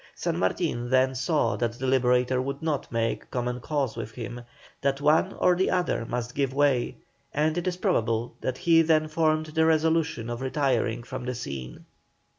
San Martin then saw that the Liberator would not make common cause with him, that one or the other must give way, and it is probable that he then formed the resolution of retiring from the scene.